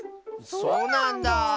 そうなんだあ。